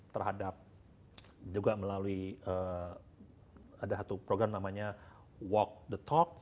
terhadap juga melalui ada satu program namanya walk the talk